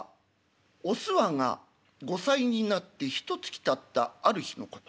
おすわが後妻になってひとつきたったある日のこと。